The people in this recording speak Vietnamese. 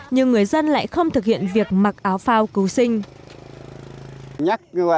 nhưng người dân lại không thực hiện việc mặc áo phao cứu sinh